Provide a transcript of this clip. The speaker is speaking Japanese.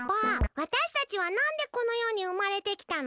わたしたちはなんでこのよにうまれてきたの？